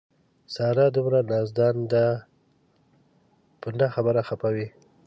ساره دومره نازدان ده په نه خبره خپه وي.